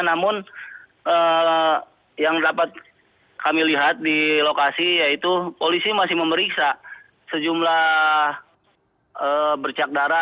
namun yang dapat kami lihat di lokasi yaitu polisi masih memeriksa sejumlah bercak darah